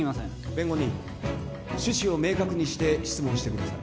弁護人趣旨を明確にして質問してください